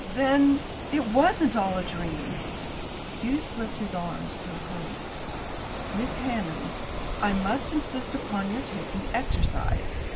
"Then it wasn't all a dream." Hughes slipped his arm through hers. "Miss Hammond, I must insist upon your taking exercise.